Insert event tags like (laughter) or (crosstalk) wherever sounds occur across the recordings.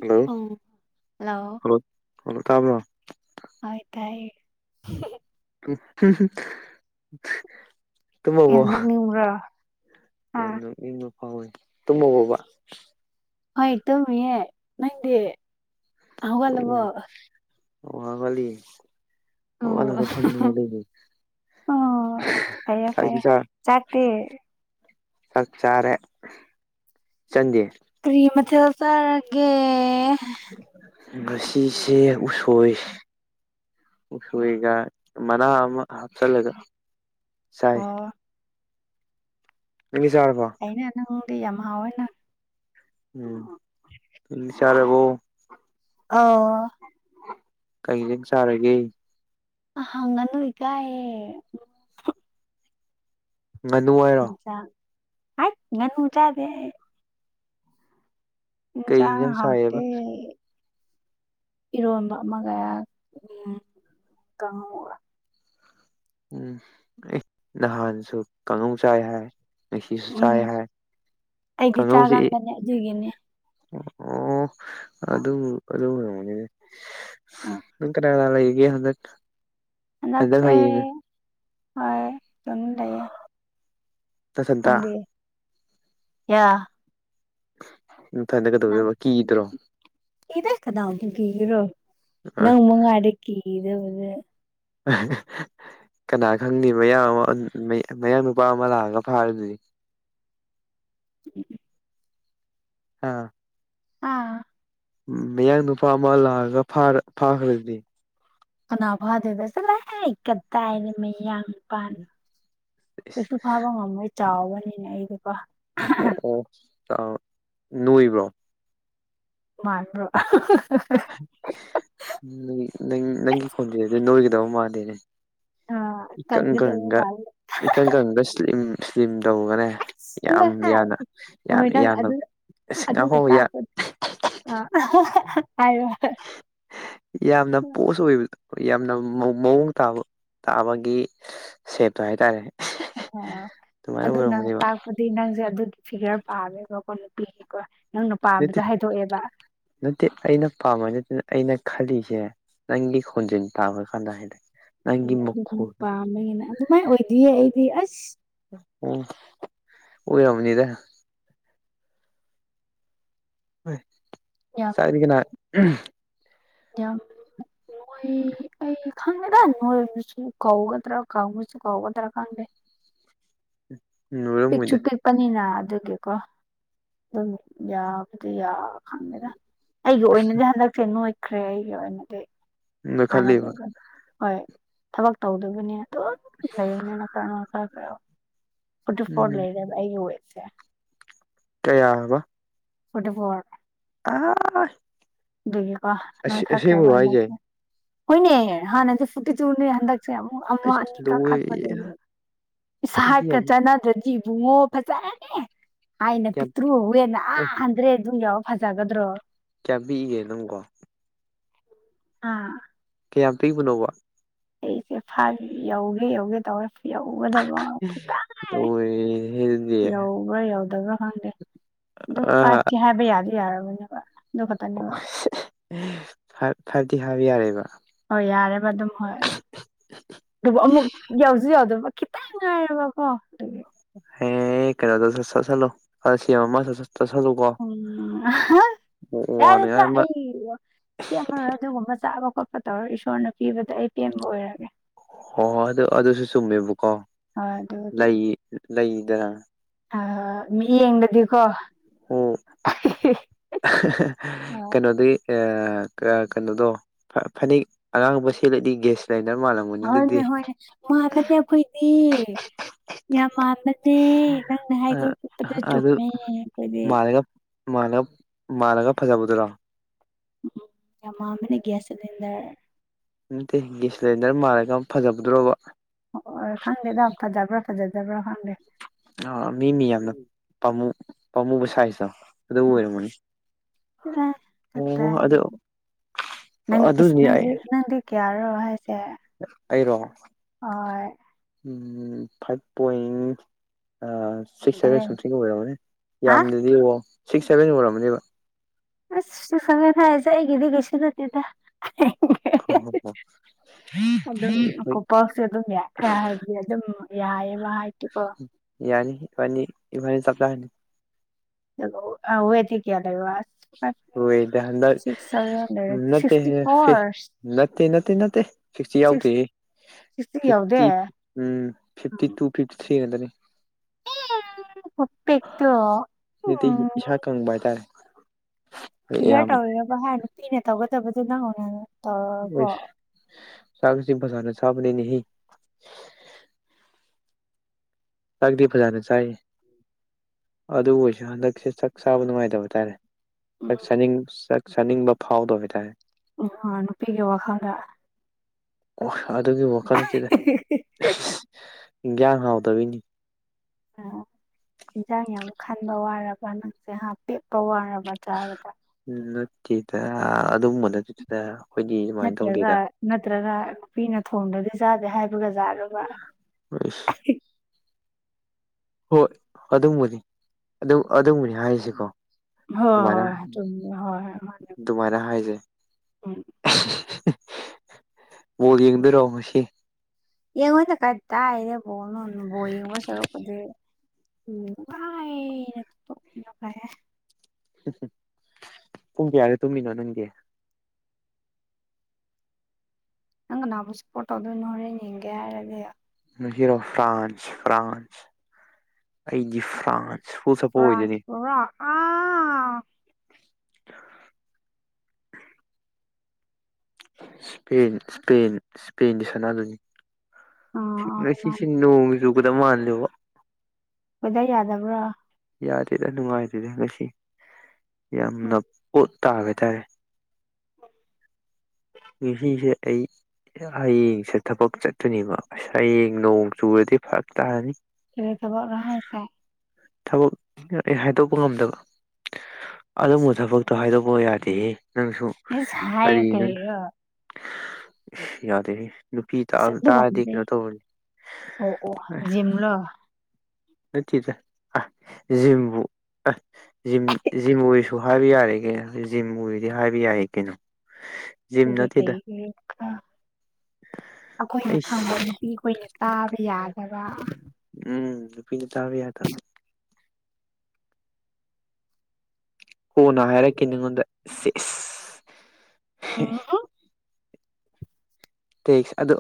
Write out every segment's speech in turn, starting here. hello um hello hello ꯇꯥꯕ꯭ꯔꯣ ꯑꯣꯏ ꯇꯥꯏ ꯍꯨꯝ ꯌꯥꯅ ꯅꯤꯡ꯭ꯔꯥ ꯌꯥꯝꯅ ꯏꯪꯕ ꯐꯥꯎꯋꯤ ꯇꯨꯝꯃꯕꯥꯎꯕ ꯍꯣꯏ ꯇꯧꯌꯦꯦ ꯅꯪꯗꯤ ꯍꯧꯒꯠꯂꯕꯣ ꯑꯋꯥ ꯋꯥꯂꯤ ꯑꯣ ꯑꯋꯥꯂꯒ ꯐꯪꯗꯉꯥꯏ ꯂꯩꯅꯤ ꯑꯣ ꯐꯩꯌꯦꯦ ꯐꯩꯌꯦꯆꯥꯛꯇꯦ ꯆ ꯆꯥꯔꯦ ꯆꯟꯗꯤ ꯀꯔꯤꯃꯊ ꯁꯥꯔꯒꯦ ꯉꯁꯤꯁꯦ ꯎꯁꯣꯏ ꯎꯁꯣꯏꯒ ꯃꯅꯥ ꯑꯃ ꯍꯥꯞꯆꯤꯜꯂꯒ ꯆꯥꯏ ꯑꯣ ꯅꯪꯗꯤ ꯆꯥꯔꯕꯣ ꯑꯩꯅ ꯅꯪꯗꯤ ꯌꯥꯝ ꯍꯥꯎꯋꯦꯅ ꯎꯝ ꯀꯥꯔꯤ ꯆꯥꯔꯕꯣ ꯑꯣ ꯀꯩ ꯏꯟꯖꯥꯡ ꯆꯥꯔꯒꯦ ꯑ ꯍꯪꯉꯅꯨ ꯏꯀꯥꯏꯌꯦ ꯉꯥꯅꯨ ꯑꯥꯏ ꯏꯟꯖꯥꯡ ꯍꯥꯏꯠ ꯉꯥꯅꯨ ꯆꯥꯗꯦ ꯑꯩ ꯀꯩ ꯏꯟꯖꯥꯡ ꯆꯥꯏꯌꯦꯕ ꯍꯥꯎꯇꯦ ꯏꯔꯣꯝꯕ ꯑꯃꯒ ꯎꯝ ꯀꯥꯡꯍꯧ ꯒ ꯎꯝ ꯏ ꯅꯍꯥꯟꯁꯨ ꯀꯥꯡꯉꯧ ꯆꯥꯏ ꯍꯥꯏ ꯉꯁꯤꯁꯨ ꯆꯥꯏ ꯎꯝ ꯍꯥꯏ ꯑꯩꯗꯤ ꯀꯥꯡꯍꯧꯁꯤ ꯆꯥꯒꯟꯕꯅꯦ ꯑꯗꯨꯒꯤꯅꯦ ꯑꯣ ꯑꯣ ꯑ ꯑꯗꯨ ꯑꯗꯨꯒꯤ ꯑꯣꯏꯔꯝꯒꯅꯤ ꯑ ꯅꯪ ꯀꯅꯥ ꯀꯅꯥ ꯂꯩꯔꯤꯒꯦ ꯍꯟꯗꯛ ꯍꯟꯗꯛ ꯍꯟꯗꯛꯁꯦ ꯍꯌꯦꯡ ꯍꯣꯏ ꯑꯗꯨꯝ ꯂꯩꯌꯦ ꯅꯊꯟꯇ ꯅꯪꯗꯤ ꯌꯥ ꯅꯊꯟꯗ ꯅꯪ ꯀꯩꯗꯧꯗꯣꯏꯕ ꯀꯤꯗ꯭ꯔꯣ ꯀꯤꯗꯦ ꯀꯅꯥꯕꯨ ꯀꯤꯒꯦꯔꯣ ꯅꯪ ꯃꯪꯉꯥꯏꯔꯦ ꯀꯤꯒꯗꯧꯕꯖꯦ ꯀꯅꯥ ꯈꯪꯅꯤ ꯃꯌꯥꯝ ꯑꯃ ꯃꯌꯥ ꯅꯨꯄꯥ ꯑꯃ ꯂꯥꯛꯑꯒ ꯐꯥꯔꯗꯤ (unintelligible) ꯑꯥ ꯑꯥ ꯎꯝ ꯃꯌꯥꯡ ꯅꯨꯄꯥ ꯑꯃ ꯂꯥꯛꯑꯒ ꯐꯥꯔ ꯐꯥꯈ꯭ꯔꯗꯤ ꯀꯅꯥ ꯐꯥꯗꯣꯏꯕ ꯆꯠꯂꯣꯍꯦ ꯀꯗꯥꯏꯗꯩ ꯃꯌꯥꯡ ꯅꯨꯄꯥꯅꯣ ꯀꯩꯁꯨ ꯐꯥꯕ ꯉꯝꯃꯣꯏ ꯆꯥꯎꯕꯅꯤꯅ ꯑꯩꯗꯣꯀꯣ ꯑꯣ ꯑꯣ ꯆꯥꯎ ꯅꯣꯏꯕ꯭ꯔꯣ ꯃꯥꯟꯕ꯭ꯔꯣ ꯅꯪꯒꯤ ꯅꯪ ꯅꯪꯒꯤ ꯈꯣꯟꯖꯦꯜꯗꯤ ꯅꯣꯏꯒꯗꯕ ꯃꯥꯥꯟꯗꯦꯅꯦ ꯑꯥ ꯏꯀꯪ ꯀꯟꯒꯗꯕ ꯀꯪꯉꯒ ꯃꯥꯜꯂꯦ ꯏꯀꯪ ꯀꯪꯉꯒ ꯁ꯭ꯂꯤꯝ ꯁ꯭ꯂꯤꯝ ꯇꯧꯔꯒꯅꯦ ꯆꯠꯂꯣꯍꯦ ꯍꯣꯏ ꯅꯪ ꯑꯗꯨ ꯑꯗꯨꯅ (unintelligible) ꯇꯥꯛꯄ (unintelligible) ꯌꯥꯝꯅ ꯄꯣꯁ ꯑꯣꯏꯕꯗꯣ ꯌꯥꯝꯅ ꯃꯧ ꯃꯑꯣꯡ ꯇꯥꯕ ꯇꯥꯕꯒꯤ ꯁꯦꯠꯇꯣ ꯍꯥꯏꯇꯥꯔꯦ ꯑ ꯑꯗꯨꯃꯥꯏꯅ ꯑꯗꯨꯅ ꯑꯣꯏꯔꯝꯒꯅꯦꯕ ꯇꯥꯛ ꯄꯗꯤ ꯅꯪꯁꯦ ꯑꯗꯨꯒꯤ ꯐꯤꯒꯔ ꯄꯥꯝꯃꯦꯕꯀꯣ ꯅꯨꯄꯤꯒꯤꯀꯣ ꯅꯪ ꯅꯠꯇꯦ ꯄꯥꯝꯕꯗꯣ ꯍꯥꯏꯗꯣꯛꯑꯦꯕ ꯅꯠꯇꯦ ꯑꯩꯅ ꯄꯥꯝꯕ ꯅꯠꯇꯅ ꯑꯩꯅ ꯈꯜꯂꯤꯁꯦ ꯅꯪꯒꯤ ꯈꯣꯟꯖꯦꯟ ꯇꯥꯕ ꯀꯥꯟꯗ ꯍꯥꯏꯗꯤ ꯅꯪꯒꯤ ꯑꯃ ꯑꯗꯨꯗꯨ ꯃꯈꯣꯜ ꯄꯥꯝꯃꯦꯅ ꯑꯗꯨꯃꯥꯏꯟ ꯑꯣꯏꯗꯤꯌꯦ ꯑꯩꯗꯤ ꯑꯁ ꯑꯣ ꯑꯣꯏꯔꯝꯒꯅꯤꯗ ꯍꯣꯏ ꯌꯥꯝ ꯆꯥꯛꯇꯤ ꯀꯅꯥ ꯌꯥꯝ ꯅꯣꯏ ꯑꯩ ꯈꯪꯗꯦꯗ ꯅꯣꯏꯕꯁꯨ ꯀꯧꯒꯗ꯭ꯔꯥ ꯀꯪꯕꯁꯨ ꯀꯧꯒꯗ꯭ꯔꯥ ꯈꯪꯗꯦ ꯄꯤꯛꯁꯨ ꯂꯣꯏꯔꯝꯃꯣꯏꯗ ꯄꯤꯛꯄꯅꯤꯅ ꯑꯗꯨꯒꯤꯀꯣ ꯑꯗꯨꯝ ꯌꯥꯕꯗꯤ ꯌꯥ ꯈꯪꯗꯦꯗ ꯑꯩꯒꯤ ꯑꯣꯏꯅꯗꯤ ꯍꯟꯗꯛꯁꯦ ꯅꯣꯏꯈ꯭ꯔꯦ ꯑꯩꯒꯤ ꯑꯣꯏꯅꯗꯤ ꯅꯣꯏꯈꯠꯂꯤꯕ ꯍꯥꯟꯅꯗꯨꯒ ꯍꯣꯏ ꯊꯕꯛ ꯇꯧꯗꯕꯅꯤꯅ ꯑꯗꯨꯝ ꯂꯩꯕꯅꯤꯅ ꯀꯔꯥ ꯈꯔ ꯈꯔ ꯐꯣꯔꯇꯤ ꯐꯣꯔ ꯎꯝ ꯂꯩꯔꯦꯕ ꯑꯩꯒꯤ ꯋꯦꯠꯁꯦ ꯀꯌꯥ ꯍꯥꯏꯕ ꯐꯣꯔꯇꯤ ꯐꯣꯔ ꯑꯥꯏ ꯑꯗꯨꯒꯤꯀꯣ ꯅꯣꯏꯈꯠꯈ꯭ꯔꯦꯕ ꯍꯥꯏꯁꯦ ꯍꯟꯗꯛꯁꯦ ꯍꯣꯏꯅꯦ ꯍꯥꯟꯅꯗꯤ ꯐꯤꯐꯇꯤ ꯇꯨꯅꯦ ꯍꯟꯗꯛ ꯁꯦ ꯑꯃꯨꯛ ꯑꯃ ꯑꯁ ꯑꯅꯤ ꯂꯣꯏꯔꯦꯍꯦ ꯀꯥꯈꯠꯄꯗꯒꯤ ꯅꯪꯗꯤ ꯏꯁꯥꯍꯠꯀ ꯌꯥꯝ ꯆꯠꯅꯗ꯭ꯔꯗꯤ ꯄꯨꯡꯉꯣ ꯐꯖꯑꯅꯦ ꯍꯥꯏꯅ ꯌꯥꯝ ꯄꯤꯛꯇ꯭ꯔꯨꯍꯧꯋꯦꯅ ꯑꯥ ꯍꯟꯗ꯭ꯔꯦ ꯑꯗꯨꯝ ꯌꯥꯎ ꯐꯖꯒꯗ꯭ꯔꯣ ꯀꯌꯥ ꯄꯤꯛꯏꯒꯦ ꯑꯗꯨꯝ ꯀꯣ ꯑꯥ ꯀꯌꯥꯝ ꯄꯤꯕꯅꯣꯕ ꯑꯩꯁꯦ ꯐꯥ ꯌꯧꯒꯦ ꯌꯧꯒꯦ ꯇꯧꯋꯦ ꯌꯧꯒꯗꯕ ꯈꯤꯇ ꯍꯥꯏꯔꯦ ꯂꯣꯏꯔꯦꯍꯦ ꯑꯗꯨꯗꯤ ꯌꯧꯕ꯭ꯔꯥ ꯌꯧꯗꯕ꯭ꯔꯥ ꯈꯪꯗꯦ ꯑꯗꯨꯝ ꯑꯥ ꯐꯠꯠꯇꯦ ꯍꯥꯏꯕ ꯌꯥꯗ ꯌꯥꯔꯕꯅꯦꯕ ꯑꯗꯨ ꯈꯛꯇꯅꯦꯕ ꯑꯣ ꯐꯔꯗꯤ ꯍꯥꯕ ꯌꯥꯔꯦꯕ ꯍꯣꯏ ꯌꯥꯔꯦꯕ ꯑꯗꯨꯝ ꯍꯣꯏ ꯑꯗꯨꯕꯨ ꯑꯃꯨꯛ ꯌꯥꯎꯁꯨ ꯌꯥꯎꯗꯕ ꯈꯤꯇꯪ ꯉꯥꯏꯌꯦꯕꯀꯣ ꯑꯗꯨꯒꯤ ꯍꯦ ꯀꯩꯅꯗ ꯁ ꯆ ꯆꯂꯣ ꯁꯤꯃ ꯇꯁ ꯂꯒꯣ ꯎ ꯋꯥꯅꯤꯡꯉꯥꯏ ꯌꯥꯔꯠꯇ ꯑ ꯑꯃ ꯁꯤ ꯑꯗꯨꯒꯨꯝꯕ ꯆꯥꯕ ꯈꯣꯠꯄ ꯇꯧꯔ ꯏꯁꯣꯔꯅ ꯄꯤꯕꯗ ꯑꯩ ꯄꯦꯟꯕ ꯑꯣꯏꯔꯒꯦ ꯍꯣꯏ ꯍꯣꯏ ꯑꯗꯨ ꯑꯗꯨꯁꯨ ꯆꯨꯝꯃꯦꯕꯀꯣ ꯍꯣꯏ ꯑꯗꯨꯕꯨꯗꯤ ꯂꯩ ꯂꯩꯗꯅ ꯑ ꯃꯤ ꯌꯦꯡꯕꯗꯤꯀꯣ ꯑꯣ ꯑ ꯀꯩꯅꯣꯗꯤ ꯑ ꯀꯩꯅꯣꯗꯣ ꯐꯅꯦꯛ ꯑꯉꯥꯡꯕ ꯁꯦꯜꯠꯂꯗꯤ ꯒ꯭ꯌꯥꯁ ꯂꯥꯏꯗꯔ ꯃꯥꯜꯂꯝꯕ ꯍꯣꯏꯅꯦ ꯍꯣꯏꯅꯦ ꯃꯥꯅꯅꯦ ꯑꯩꯈꯣꯏꯗꯤ ꯌꯥꯝ ꯃꯥꯅꯦ ꯅꯦ ꯅꯪꯅ ꯍꯥꯏꯗꯣꯛ ꯆꯠꯄꯗ ꯆꯨꯝꯃꯦ ꯑꯩꯈꯣꯏꯗꯤ ꯃꯥꯅ ꯃꯥꯅꯒ ꯐꯖꯕꯗꯨꯔꯣ ꯎ ꯌꯥꯝꯃ ꯃꯅꯦ ꯭ꯁ ꯁꯤꯂꯤꯗꯔ ꯅꯠꯇꯦ ꯒꯦꯌꯥꯁ ꯁꯤꯂꯤꯟꯗꯔ ꯃꯥꯜꯂꯒ ꯐꯖꯕꯗꯣꯕ ꯑꯣ ꯈꯪꯗꯦꯗ ꯐꯖꯥꯕ꯭ꯔ ꯐꯖꯥꯖꯕ꯭ꯔ ꯈꯪꯗꯦ ꯑ ꯃꯤ ꯃꯤ ꯌꯥꯝꯅꯥꯃꯨ ꯄꯥꯝꯃꯨꯕ ꯁꯥꯏꯖꯇꯣ ꯑꯗꯨ ꯎꯝ ꯑꯣꯏꯔꯝꯃꯅꯤ ꯑꯣ ꯑꯗꯨ ꯅꯪ ꯑꯗꯨꯅꯤ ꯑꯩ ꯏꯗꯤ ꯏꯗꯤ ꯀꯌꯥꯔꯣ ꯍꯥꯏꯁꯦ ꯑꯩꯔꯣ ꯍꯣꯏ five point six seven something ꯑꯣꯏꯔꯝꯃꯅꯦ ꯍꯥ ꯌꯥꯝꯗ꯭ꯔꯗꯤ ꯑꯣ ꯁꯤꯛꯁ ꯁꯚꯦꯟ ꯑꯣꯏꯔꯝꯃꯅꯦꯕ ꯑꯁꯁꯨꯨ ꯁꯝꯃꯦ ꯍꯥꯏꯁꯦ ꯑꯩꯒꯤꯗꯤ ꯀꯩꯁꯨ ꯅꯠꯇꯦꯗ ꯍ ꯍ ꯑꯗꯨꯝ ꯀꯣ ꯄꯥꯎꯁꯦ ꯑꯗꯨꯝ ꯍꯥꯏꯕꯗꯤ ꯑꯗꯨꯝ ꯌꯥꯏꯑꯕ ꯍꯥꯏꯗꯤꯀꯣ ꯌꯥꯅꯤ ꯏꯕꯥꯅꯤ ꯏꯕꯥꯅꯤ ꯆꯂꯅꯤ ꯊ ꯀꯌꯥ ꯍꯣꯏ ꯍꯗ ꯁꯤꯛꯁ ꯁꯚꯦꯟ ꯂꯩꯔꯗꯤ ꯅꯠꯇꯦ ꯁꯤꯛꯁꯇꯤ ꯐꯣꯔ ꯅꯠꯇꯦ ꯅꯠꯇꯦ ꯅꯠꯇꯦ ꯁꯤꯛꯁꯇꯤ ꯁꯤꯛꯁ ꯌꯥꯎꯗꯣꯏꯌꯦ ꯁꯤꯛꯁꯇꯤ ꯌꯧꯗꯦ fifty um fifty two fifty three ꯉꯥꯛꯇꯅꯤ ꯎꯄꯦꯛꯇꯣ ꯎꯝ ꯈꯪꯕ ꯇꯥꯏ ꯐꯤꯒꯔ ꯇꯧꯋꯒ ꯍꯥꯏ ꯅꯨꯄꯤꯅ ꯇꯧꯒꯗꯕꯗꯨ ꯅꯪ ꯍꯅꯦ ꯆꯁꯤ ꯐꯖꯥꯅ ꯆꯥꯕꯅꯦꯅꯦ ꯍ ꯆꯥꯛꯗꯤ ꯐꯖꯅ ꯆꯥꯏ ꯑꯗꯨꯕꯨ ꯑꯣꯏꯁꯨ ꯍꯟꯗꯛꯁꯦ ꯆꯥꯛ ꯆꯥꯕ ꯅꯨꯡꯉꯥꯏꯇꯕ ꯇꯥꯔꯦ ꯆ ꯁꯅꯤꯡ ꯆꯥꯛ ꯁꯅꯤꯡꯕ ꯐꯥꯎꯗ ꯑꯣꯏꯇꯥꯦ ꯎ ꯅꯨꯄꯤꯒꯤ ꯋꯥꯈꯜꯗ ꯑꯣ ꯑꯗꯨꯒꯤ ꯋꯥꯈꯜꯁꯤꯗꯒ꯭ꯌꯥꯡ ꯍꯥꯎꯗꯕꯤꯅꯤ ꯑꯣ ꯌꯦꯟꯁꯥꯡ ꯌꯥꯝ ꯈꯟꯕ ꯋꯥꯔꯕ ꯅꯪꯁꯦ ꯍꯥ ꯄꯦꯛꯄ ꯋꯥꯔꯕ ꯆꯥꯕꯗ ꯎꯝ ꯅꯠꯇꯦꯗ ꯑꯗꯨꯝꯕ ꯅꯠꯇꯦꯗ ꯑꯩꯈꯣꯏꯗꯤ ꯁꯨꯃꯥꯏꯅ ꯅꯠꯇ꯭ꯔꯒ ꯇꯧꯗꯦꯗ ꯅꯠꯇ꯭ꯔꯒ ꯅꯨꯄꯤꯅ ꯊꯣꯡꯗ꯭ꯔꯗꯤ ꯆꯥꯗꯦ ꯍꯥꯏꯕꯒ ꯖꯥꯠꯂꯣꯕ ꯍꯣꯏ ꯑꯗꯨꯝꯕꯅꯤ ꯑꯗꯨ ꯑꯗꯨꯕꯨꯅꯤ ꯍꯥꯏꯁꯦ ꯖꯤꯀꯣ ꯍꯣꯏ ꯑꯗꯨꯃꯥꯏꯅ ꯍꯣꯏ ꯆꯨꯝꯃꯤ ꯍꯣꯏ ꯍꯣꯏ ꯃꯥꯅꯦ ꯑꯗꯨꯃꯥꯏꯅ ꯍꯥꯏꯁꯦ ꯎꯝ ꯕꯣꯜ ꯌꯦꯡꯗꯣꯏꯔꯣ ꯉꯁꯤ ꯌꯦꯡꯉꯣꯏꯗ ꯀꯥꯏꯗꯥꯏꯗꯩ ꯕꯣꯟꯅꯣ ꯕꯣꯟ ꯌꯦꯡꯕ ꯁꯔꯨꯛꯄꯨꯗꯤ (unintelligible) ꯄꯨꯡ ꯀꯌꯥꯗ ꯇꯨꯝꯃꯤꯅꯣ ꯅꯪꯗꯤ ꯅꯪ ꯀꯅꯥꯕꯨ ꯁꯞꯄꯣꯔꯠ ꯇꯧꯗꯣꯏꯅꯣ ꯍꯣꯔꯦꯟ ꯌꯦꯡꯒꯦ ꯍꯥꯏꯔꯗꯤ ꯉꯁꯤꯔꯣ ꯐ꯭ꯔꯥꯟꯁ ꯐ꯭ꯔꯥꯟꯁ ꯑꯩꯒꯤ ꯐ꯭ꯔꯥꯟ ꯐ꯭ꯔꯥꯟꯁ ꯄꯨꯔ ꯏꯁꯄꯦꯟ ꯏꯁꯄꯦꯟ ꯏꯁꯄꯦꯟꯒ ꯁꯥꯟꯅꯒꯅꯤ ꯑꯥ ꯑꯥ ꯉꯁꯤꯁꯦ ꯃꯥꯅꯦ ꯅꯣꯡ ꯆꯨꯒꯗꯕ ꯃꯥꯜꯂꯦꯀꯣ ꯋ‌ꯦꯗꯔ ꯌꯥꯗꯕ꯭ꯔꯥ ꯌꯥꯗꯦꯗ ꯅꯨꯡꯉꯥꯏꯇꯦꯗ ꯉꯁꯤ ꯌꯥꯝꯅ ꯄꯣꯠ ꯇꯥꯕ (inaudible) ꯉꯁꯤꯁꯦ ꯑꯩ ꯍꯌꯦꯡꯁꯦ ꯊꯕꯛ ꯆꯠꯇꯣꯏꯅꯤꯕ ꯑꯁ ꯍꯌꯦꯡ ꯅꯣꯡ ꯆꯨꯔꯗꯤ ꯐꯔꯛ ꯇꯥꯅꯤ ꯀꯔꯤ ꯊꯕꯛꯂꯥ ꯍꯥꯏꯁꯦ ꯊꯕꯛ ꯑꯩ ꯍꯥꯏꯗꯣꯛꯄ ꯉꯝꯗꯕ ꯑꯗꯨꯝꯕ ꯊꯕꯛꯇꯣ ꯍꯥꯏꯗꯣꯛꯄ ꯌꯥꯗꯦꯍꯦ ꯅꯪꯁꯨ ꯏꯁ ꯍꯥꯏꯌꯨ ꯀꯔꯤꯔꯣ ꯏꯁ ꯌꯥꯗꯦꯍꯦ ꯅꯨꯄꯤ ꯇꯥ ꯑꯁ ꯇꯥꯔꯗꯤ ꯑꯗꯨꯒꯨꯝꯕꯗꯤ ꯀꯩꯅꯣ ꯇꯧꯔꯅꯤ ꯌ‌ꯦꯡꯂꯣ ꯅꯠꯇꯦꯗ ꯑ ꯖꯤꯝꯕꯨ ꯑ ꯖꯤꯝ ꯖꯤꯝ ꯑꯣꯏꯔꯁꯨ ꯍꯥꯏꯕ ꯌꯥꯔꯦ ꯀꯩꯅꯣ ꯖꯤꯝ ꯑꯣꯏꯗꯤ ꯍꯥꯏꯕ ꯌꯥꯏ ꯀꯩꯅꯣ ꯖꯤꯝ ꯑꯗꯨꯒ ꯅꯠꯇꯦꯗ ꯀꯩꯒꯤ ꯈꯥ ꯑꯈꯣꯏꯅ ꯈꯪꯕꯅꯤ ꯑꯩꯁ ꯅꯨꯄꯤ ꯑꯩꯈꯣꯏꯅ ꯇꯥꯕ ꯌꯥꯗꯕ ꯎꯝ ꯅꯨꯄꯤꯅ ꯇꯥꯕ ꯌꯥꯗꯕ ꯀꯣꯟꯅ ꯍꯥꯏꯔꯛꯀꯦ ꯅꯪꯉꯣꯟꯗ ꯁꯦꯁ ꯑꯣ ꯎꯝ ꯇꯦꯛꯁ ꯑꯗꯨ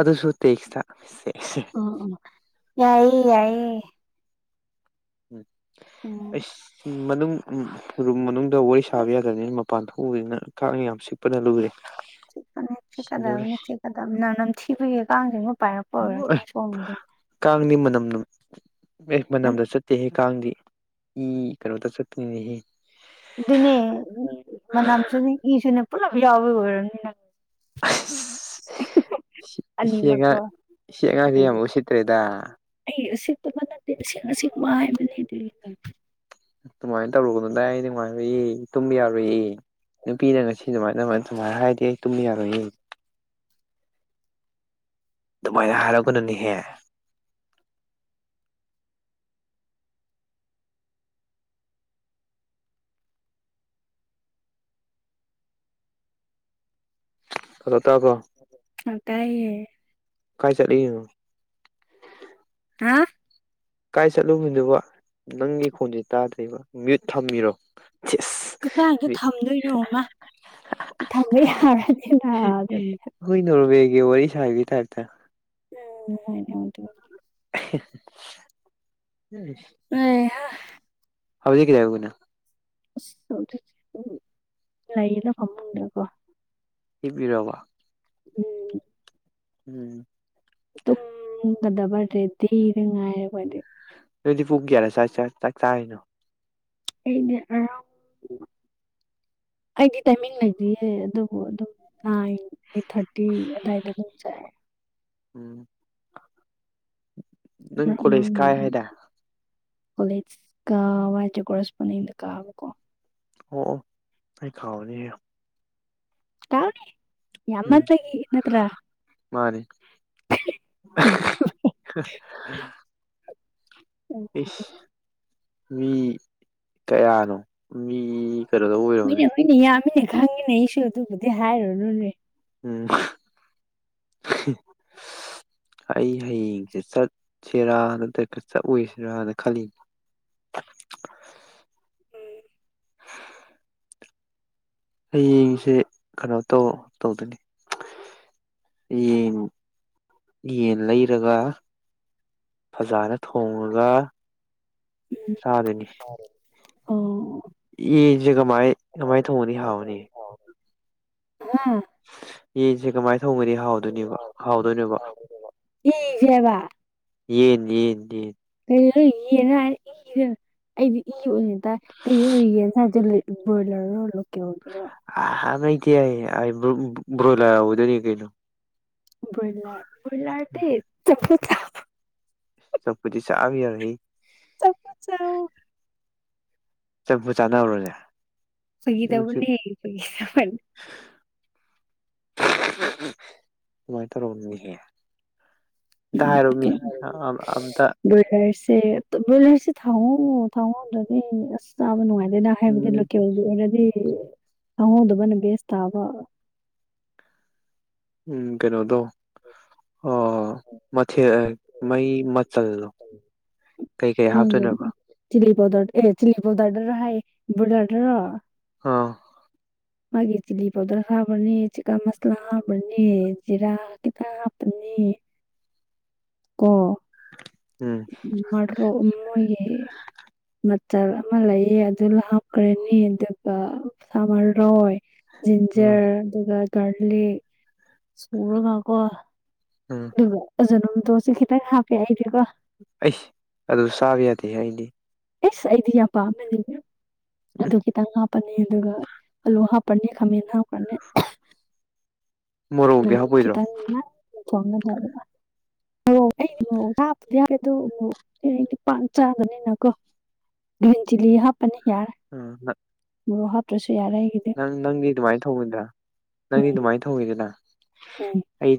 ꯑꯗꯨꯁꯨ ꯇꯦꯛꯁ ꯇ ꯁꯦꯁ ꯑꯣ ꯑꯣ ꯌꯥꯏꯌꯦ ꯌꯥꯏꯌꯦ ꯎꯝ ꯎꯝ ꯑꯩꯁ ꯃꯅꯨꯡ ꯎꯝ ꯔꯨꯝ ꯃꯅꯨꯡꯗ ꯋꯥꯔꯤ ꯁꯥꯕ ꯌꯥꯗꯕꯅꯤꯅ ꯃꯄꯥꯟ ꯊꯣꯛꯎꯕꯅꯤꯅ ꯀꯥꯡ ꯌꯥꯝ ꯆꯤꯛꯄꯗ ꯂꯣꯏꯔꯦ ꯆꯤꯛꯄꯅꯦ ꯆꯤꯛꯀꯗꯕꯅꯤ ꯆꯤꯛꯀꯗꯕ ꯅꯝ ꯅꯝꯊꯤꯕꯒꯤ ꯀꯥꯡꯖꯤꯡꯗꯣ ꯄꯥꯏꯔꯛ ꯑꯦ ꯀꯥꯡꯗꯤ ꯃꯅꯝ ꯅꯝ ꯑꯦ ꯃꯅꯝꯗ ꯆꯠꯇꯦꯍꯦ ꯀꯥꯡꯗꯤ ꯏ ꯀꯩꯅꯣꯗ ꯆꯠꯄꯅꯤꯅꯦꯍꯦ ꯑꯗꯨꯅꯦ ꯃꯅꯝꯁꯨꯅꯤ ꯏꯁꯨꯅꯦ ꯄꯨꯂꯞ ꯌꯥꯎꯕꯩ ꯑꯣꯏꯔꯝꯅꯤ ꯅꯪ ꯑꯁ ꯁꯤ ꯁꯤ ꯑꯅꯤꯃꯛꯀꯣ ꯑꯉꯥꯡ ꯁꯤ ꯑꯉꯥꯡꯖꯦ ꯌꯥꯝ ꯑꯗꯨꯒꯤ ꯎꯁꯤꯠꯇ꯭ꯔꯦꯗꯥ ꯑꯩ ꯎꯁꯤꯠꯇꯕ ꯅꯠꯇꯦꯗ ꯑꯁꯦꯡ ꯑꯁꯦꯡꯕ ꯍꯥꯏꯕꯅꯦ ꯑꯗꯨꯒꯤ ꯑꯗꯨꯃꯥꯏꯅ ꯇꯧꯒꯅꯨꯗ ꯑꯩ ꯅꯨꯡꯉꯥꯏꯔꯣꯏꯌꯦ ꯇꯨꯝꯕ ꯌꯥꯔꯣꯏꯌꯦ ꯅꯨꯄꯤꯅ ꯉꯁꯤ ꯑꯗꯨꯃꯥꯏꯅ ꯑꯗꯨꯃꯥꯏ ꯍꯥꯏꯔꯗꯤ ꯑꯩ ꯇꯨꯝꯕ ꯌꯥꯔꯣꯏꯌꯦ ꯑꯗꯨꯃꯥꯏꯅ ꯍꯥꯏꯔꯛꯀꯅꯨꯅꯦꯍꯦ ꯍꯜꯂꯣ ꯇꯥꯕ꯭ꯔꯣ ꯑ ꯇꯥꯏꯌꯦ ꯀꯥꯏ ꯆꯠꯅꯤꯡꯉꯤꯅꯣ ꯍꯥ ꯀꯥꯏ ꯆꯠꯂꯨꯕꯤꯅꯨꯕ ꯅꯪꯒꯤ ꯈꯣꯟꯖꯦ ꯇꯥꯗ꯭ꯔꯦꯕ ꯃ꯭ꯌꯨꯠ ꯊꯝꯃꯤꯔꯣ ꯆꯦꯁ ꯀꯗꯥꯏꯗ ꯊꯝꯗꯣꯏꯅꯣ ꯃꯥ ꯊꯝꯕ ꯌꯥꯔꯗꯤ ꯅꯍꯥꯟꯅ ꯍꯣꯏ ꯅꯣꯔꯃ‌ꯦꯟꯒꯤ ꯋꯥꯔꯤ ꯁꯥꯕꯩ ꯇꯥꯞꯇ ꯇ (unintelligible) (unintelligible) ꯑꯣ ꯍꯧꯗꯤ ꯀꯗꯤꯌꯥꯒꯅ ꯑꯁ ꯎꯝ ꯂꯩꯌꯦꯅ ꯐꯝꯃꯟꯗ꯭ꯔꯀꯣ ꯏꯤꯕꯤꯔꯕ ꯎꯝ ꯎꯝ ꯇꯨꯝꯒꯗꯕ ꯔꯦꯗꯤꯤꯗ ꯉꯥꯏꯔꯦ ꯑꯩꯣꯏꯗꯤ ꯅꯣꯏꯗꯤ ꯐꯨꯛꯒꯦꯥꯏꯅꯣ ꯑꯩꯗꯤ ꯑꯔꯥꯎ ꯑꯩꯗꯤ ꯇꯥꯏꯃꯤꯡ ꯂꯩꯗꯤꯌꯦ ꯑꯗꯨꯕꯨ ꯑꯗꯨꯝ ꯑꯩꯠ ꯊꯔꯇꯤ ꯗꯗꯥꯏꯗ ꯊꯝ ꯆ ꯎꯝ ꯅꯪ ꯀꯣꯂꯦꯖ ꯀꯥꯏ ꯎꯝ ꯍꯥꯏꯗꯥꯏ ꯀꯣꯂꯦꯖ ꯀꯥꯕ ꯍꯥꯏꯇꯦ ꯀꯣꯔꯦꯁꯄꯣꯟꯗꯤꯡꯗ ꯀꯥꯕꯀꯣ ꯑꯣ ꯑꯩ ꯈꯥꯎꯗ ꯥꯎꯅꯦ ꯌꯥꯝꯃ ꯇꯒꯤ ꯏ ꯅꯠꯇ꯭ꯔ ꯃꯥꯔꯤ ꯆꯨꯝꯃꯦ ꯏꯁ ꯃꯤ ꯀꯌꯥꯅꯣ ꯃꯤ ꯐꯔꯗ ꯎ ꯑꯣꯏꯔꯕꯅꯤ ꯑꯩꯅ ꯌꯥꯝꯃꯤꯅꯦ ꯈꯪꯉꯤꯅꯦ ꯏꯁꯨ ꯑꯗꯨꯕꯨꯗꯤ ꯍꯥꯏꯔꯨꯔꯨꯅꯦ ꯎꯝ ꯑꯩ ꯍꯌꯦꯡꯁꯦ ꯆꯠꯁꯤꯔꯥ ꯅꯠꯇ꯭ꯔꯒ ꯆꯠꯂꯁꯤꯔꯥꯅ ꯈꯜꯂꯤ ꯑꯦ ꯑꯩ ꯌꯦꯡꯉꯁꯤꯦ ꯀꯩꯅꯣ ꯇꯧ ꯇꯧꯗꯣꯏꯅꯤ ꯌꯦꯟ ꯌꯦꯟ ꯂꯩꯔꯒ ꯐꯖꯅ ꯊꯣꯡꯉꯒ ꯆꯥꯗꯅꯤ ꯑꯣ ꯌꯦꯁꯦ ꯀꯃꯥꯏ ꯀꯃꯥꯏ ꯊꯣꯡꯉꯅꯤ ꯍꯥꯎꯅꯤ ꯑ ꯌꯦꯟꯁꯦ ꯀꯃꯥꯏ ꯊꯣꯡꯒꯗꯤ ꯍꯥꯎꯗꯣꯏꯅꯤꯕ ꯍꯥꯎꯗꯣꯏꯅꯣꯕ ꯏꯖꯦꯕ ꯌꯦꯟ ꯌꯦꯟ ꯌꯦꯟ ꯑꯦ ꯑꯩꯗꯤ ꯏ ꯑꯣꯏꯅꯅꯤ ꯇꯥꯏ ꯀꯩ ꯑꯣꯏꯣꯔꯤꯒꯦꯁꯦ ꯕ꯭ꯔꯣꯏꯂꯔꯣ ꯂꯣ ꯀꯒꯦꯔꯣ ꯑ ꯃ ꯇꯑ ꯑꯩ ꯭ꯔꯣꯣꯌꯂꯔꯗꯅꯤ ꯀꯩꯩꯅꯣ ꯕꯨꯔꯂꯥ ꯕꯨꯜꯂꯥꯔꯗꯤ ꯆꯄ ꯁ ꯀꯨꯁꯕꯤ ꯌꯥꯔꯏ ꯆꯄ ꯆ ꯆꯝꯐꯨ ꯆꯥꯟꯅꯔꯨꯔꯁꯦ ꯐꯒꯤꯗꯕꯨ ꯐꯒꯗꯕ ꯃꯥꯏ ꯇ ꯔꯝꯅꯤ ꯍꯦ ꯑꯝꯇ ꯍꯥꯏꯔꯣꯃꯤ ꯑꯝꯇ ꯕꯣꯏꯂꯔꯁꯦ ꯕꯣꯏꯂꯔꯁꯦ ꯊꯥꯎꯑꯣ ꯊꯥꯎꯑꯣꯗꯅꯤ ꯆꯥꯕ ꯅꯨꯡꯉꯥꯏꯗꯅ ꯍꯥꯏꯕꯗꯤ ꯎꯝ ꯂꯣꯀꯦꯜꯒꯤ ꯑꯣꯏꯔꯗꯤ ꯈꯪꯍꯧꯗꯕꯅ ꯕꯦꯁ ꯇꯥꯕ ꯎ ꯀꯩꯅꯣꯗꯣ ꯃꯊꯦꯜ ꯃꯩ ꯃꯆꯜꯗꯣ ꯀꯩꯀꯩ ꯃ ꯍꯥꯞꯇꯣꯏꯅꯣꯕ ꯆꯂꯤ ꯄꯗꯔ ꯑꯦ ꯆꯂꯤ ꯄꯗꯔꯔ ꯍꯥꯏ ꯏꯕꯔ ꯑꯥ ꯃꯥꯒꯤ ꯆꯤꯂꯤ ꯄꯥꯎꯗꯔ ꯍꯥꯕꯅꯤ ꯆꯤꯛꯀꯟ ꯃꯁꯂꯥ ꯍꯥꯕꯅꯤ ꯖꯤꯔꯥ ꯗꯅꯤ ꯀꯣ ꯎꯝ ꯃꯥꯔꯣꯏ ꯃꯣꯏꯒꯦ ꯃꯆꯜ ꯑꯃ ꯂꯩꯑ ꯑꯗꯨ ꯂ ꯍꯥꯞꯈ꯭ꯔꯅꯤ ꯑꯗꯨꯒ ꯁꯥꯃꯔꯣꯏ ꯎꯝ ꯖꯤꯟꯖꯔ ꯑꯗꯨꯒ ꯒꯥꯔꯂꯤꯛ ꯁꯨꯔꯒꯀꯣ ꯎꯝ ꯑꯗꯨꯒ ꯑꯖꯤꯅ‌ꯣ ꯃ‌ꯣꯇ‌ꯣꯁꯤ ꯈꯤꯇꯪ ꯍꯥꯞꯀꯦ ꯍꯥꯏꯗꯤꯀꯣ ꯑꯩꯁ ꯑꯗꯨ ꯆꯥꯕ ꯌꯥꯗꯦꯍꯦ ꯑꯩꯗꯤ ꯏꯁ ꯑꯩꯗꯤ ꯌꯥꯝ ꯄꯥꯝꯃꯦꯅꯤꯅꯦ ꯑꯗꯨ ꯈꯤꯇꯪ ꯍꯥꯞꯄꯅꯤ ꯑꯗꯨꯒ ꯑꯜꯂꯨ ꯍꯥꯞ ꯄꯅꯤ ꯈꯝꯃꯦꯟ ꯍꯥꯞꯈꯔꯥꯅꯤ ꯃꯣꯔꯣꯛꯗꯤ ꯅꯪ ꯍꯥꯞꯄꯣꯏꯗ꯭ꯔꯣ ꯈꯤꯇꯪꯅꯥ ꯊꯣꯡꯒꯗꯕ ꯑꯧ ꯑꯩꯗꯤ ꯃꯣꯔꯣꯛ ꯍꯥꯞꯇꯥꯗꯤ ꯌꯥꯔꯦ ꯑꯗꯨ ꯕꯨ ꯑꯩꯗꯤ ꯄꯥꯟ ꯆꯥꯕꯅꯤꯅꯀꯣ ꯒꯔ꯭ꯤꯟ ꯆꯤꯜꯂꯤ ꯍꯥꯞꯄꯅꯤ ꯌꯥꯔꯦ (unintelligible) ꯃ‌ꯣꯔꯣꯛ ꯍꯥꯞꯇ꯭ꯔꯁꯨ ꯌꯥꯔꯦ ꯑꯩꯒꯤ ꯅꯪ ꯅꯪꯒꯤ ꯑꯗꯨꯃꯥꯏ ꯊ‌ꯣꯡꯕꯗ ꯅꯪꯒꯤ ꯎꯝ ꯑꯗꯨꯃꯥꯏ ꯊꯣꯡꯉꯤꯗꯅ ꯎꯝ ꯑꯩ